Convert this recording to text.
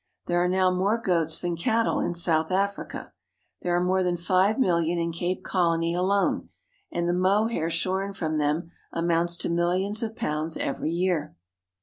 There are now more goats than cattle in South Africa. There are more than five million in Cape Colony alone, and the mohair shorn from them amounts to millions of pounds every year.